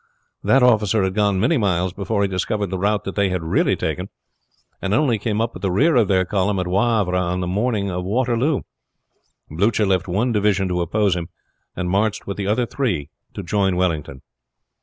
That officer had gone many miles before he discovered the route they had really taken, and only came up with the rear of their column at Wavre on the morning of Waterloo. Blucher left one division to oppose him, and marched with the other three to join Wellington.